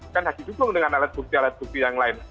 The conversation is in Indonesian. akan harus di dukung dengan alat bukti alat bukti yang lain